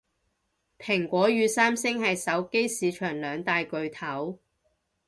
蘋果與三星係手機市場兩大巨頭